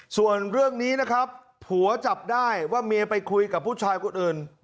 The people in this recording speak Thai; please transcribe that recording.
ส่วนเรื่องนี้นะครับผัวจับได้ว่าเมียไปคุยกับผู้ชายคนอื่น